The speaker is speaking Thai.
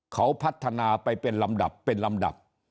เขาพัฒนาไปเป็นลำดับเป็นลำดับ